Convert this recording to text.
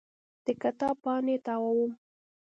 د کتاب پاڼې تاووم.